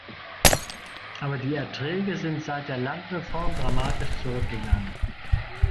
Aber die Erträge sind seit der Landreform dramatisch zurückgegangen.